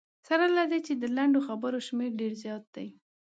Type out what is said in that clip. سره له دې چې د لنډو خبرو شمېر ډېر زیات دی.